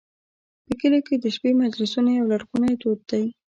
په کلیو کې د شپې مجلسونه یو لرغونی دود دی.